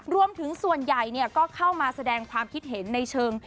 รวมถึงส่วนใหญ่ก็เข้ามาแสดงความคิดเห็นในเชิง